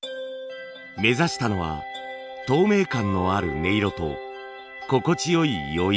目指したのは透明感のある音色と心地よい余韻。